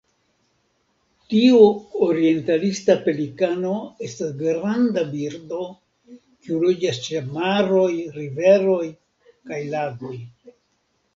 Tiu orientalisa pelikano estas granda birdo, kiu loĝas ĉe maroj, riveroj kaj lagoj.